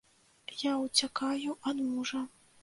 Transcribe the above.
Я ўцякаю ад мужа.